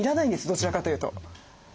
どちらかというと。